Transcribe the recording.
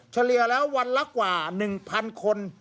เฉลี่ยแล้ววันละกว่า๑๐๐คน